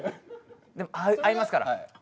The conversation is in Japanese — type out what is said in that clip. でも合いますから。